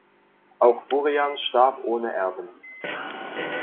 Auch Burian starb ohne Erben.